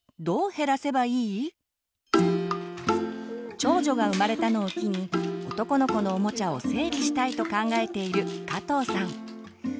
長女が生まれたのを機に男の子のおもちゃを整理したいと考えている加藤さん。